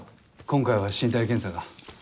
今回は身体検査が。